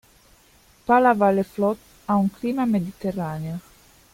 Palavas-les-Flots ha un clima mediterraneo.